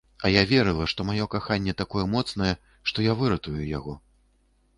А я верыла, што маё каханне такое моцнае, што я выратую яго.